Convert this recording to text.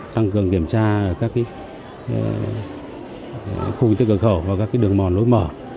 tăng cường kiểm tra các khu vực tư cửa khẩu và các đường mòn lối mở